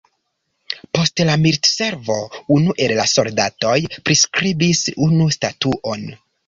Post la militservo unu el la soldatoj priskribis unu statuon.